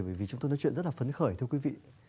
bởi vì chúng tôi nói chuyện rất là phấn khởi thưa quý vị